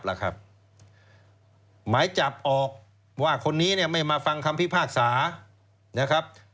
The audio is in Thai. หมายจับออกว่าคนนี้ไม่มาฟังคำพิพากษา